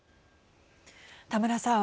田村さん。